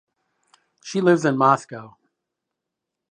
She lives in Moscow.